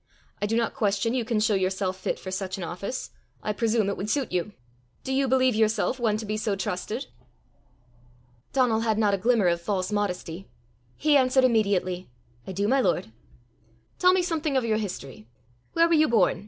I do not question you can show yourself fit for such an office: I presume it would suit you. Do you believe yourself one to be so trusted?" Donal had not a glimmer of false modesty; he answered immediately, "I do, my lord." "Tell me something of your history: where were you born?